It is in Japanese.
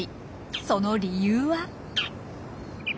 その理由は。